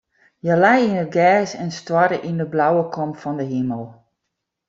Hja lei yn it gers en stoarre yn de blauwe kom fan de himel.